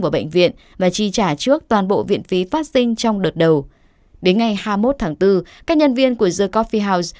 vào bệnh viện và chi trả trước toàn bộ viện phí phát sinh trong đợt đầu đến ngày hai mươi một tháng bốn các nhân viên của the coffee house